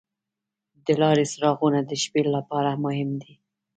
د لارې څراغونه د شپې لپاره مهم دي.